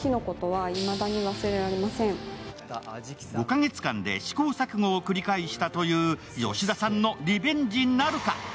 ５カ月間で試行錯誤を繰り返したという吉田さんのリベンジなるか？